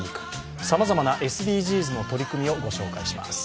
さまざまなＳＤＧｓの取り組みをご紹介します。